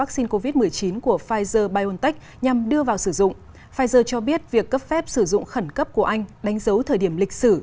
xin chào và hẹn gặp lại